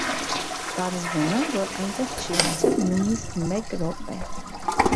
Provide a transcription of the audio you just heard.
Պարզվում է, որ այնտեղ չի անցել նույնիսկ մեկ րոպե։